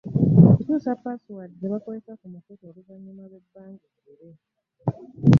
Okukyusa ‘password' ze bakozesa ku mukutu oluvannyuma lw'ebbanga eggere.